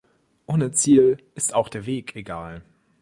Ohne Ziel ist auch der Weg egal!